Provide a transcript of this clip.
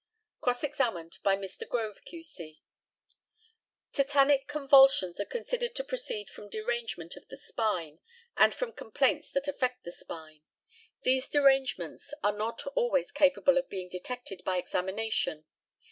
Cross examined by Mr. GROVE, Q.C. Tetanic convulsions are considered to proceed from derangement of the spine, and from complaints that affect the spine. These derangements are not always capable of being detected by examination.